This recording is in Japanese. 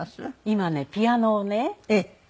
今ねピアノをね８６